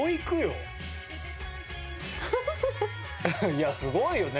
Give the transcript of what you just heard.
いやすごいよね。